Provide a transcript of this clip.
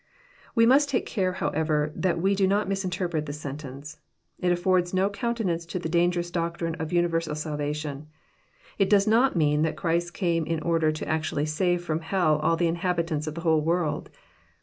We must take care, however, that we do not misinterpret this sentence. It affords no countenance to the dangerous doctrine of universal salvation. It does not mean that Christ came In order to actually save ftom hell all the Inhabitants of the whole world.